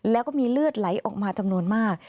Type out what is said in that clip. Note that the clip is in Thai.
แล้วก็มีเลือดไหลออกมาจำนวนมาก